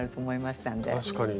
確かに。